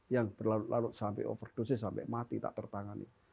yang berlarut larut sampai overdosis sampai mati tak tertangani